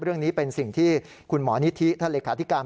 เรื่องนี้เป็นสิ่งที่คุณหมอนิธิท่านเลขาธิการ